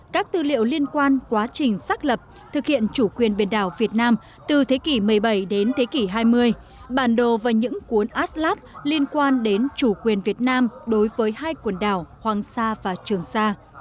các tư liệu liên quan quá trình xác lập thực hiện chủ quyền biển đảo việt nam từ thế kỷ một mươi bảy đến thế kỷ hai mươi bản đồ và những cuốn aslav liên quan đến chủ quyền việt nam đối với hai quần đảo hoàng sa và trường sa